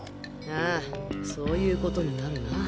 ああそういうことになるな。